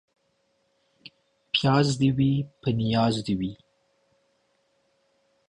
پياز دي وي ، په نياز دي وي.